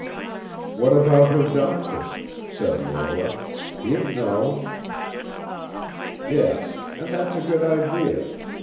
"What about her doctor?" said Lora. "He'd know." "Yes; and that's a good idea.